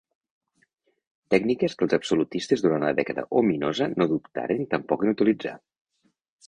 Tècniques que els absolutistes durant la Dècada Ominosa no dubtaren tampoc en utilitzar.